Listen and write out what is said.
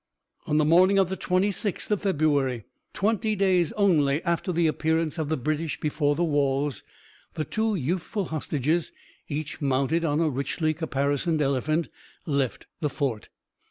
On the morning of the 26th of February, twenty days only after the appearance of the British before the walls, the two youthful hostages, each mounted on a richly caparisoned elephant, left the fort.